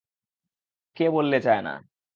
কে বললে চায় না?